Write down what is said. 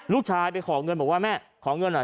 ลูกชายไปขอเงินบอกว่าแม่ขอเงินหน่อย